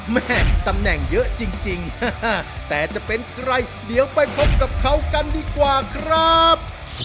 แม่ตำแหน่งเยอะจริงแต่จะเป็นใครเดี๋ยวไปพบกับเขากันดีกว่าครับ